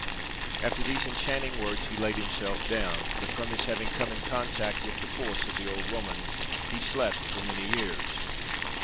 "After these enchanting words, he laid himself down, but from his having come in contact with the corse of the old woman, he slept for many years.